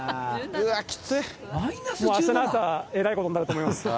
あしたの朝はえらいことになると思います。